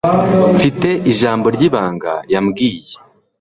Mfite ijambo ryibanga yambwiye.